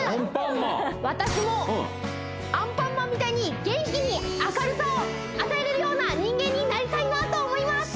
私もアンパンマンみたいに元気に明るさを与えれるような人間になりたいなと思います！